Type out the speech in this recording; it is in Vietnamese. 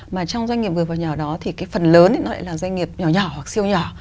mà trong doanh nghiệp vừa và nhỏ đó thì cái phần lớn lại là doanh nghiệp nhỏ nhỏ hoặc siêu nhỏ